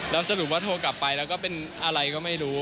แล้วสรุปว่าโทรกลับไปแล้วก็เป็นอะไรก็ไม่รู้